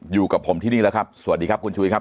อยู่กับผมที่นี่แล้วครับสวัสดีครับคุณชุวิตครับ